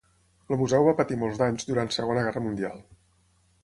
El museu va patir molts danys durant Segona Guerra Mundial.